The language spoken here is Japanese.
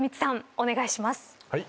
お願いします。